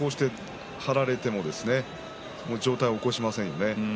張られても上体を起こしませんよね。